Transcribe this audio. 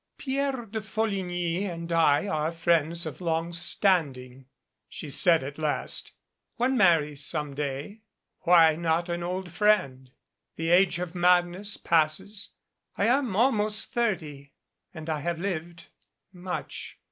"Pierre de Folligny and I are friends of long stand ing," she said at last. "One marries some day. Why not an old friend? The age of madness passes I am almost thirty and I have lived much.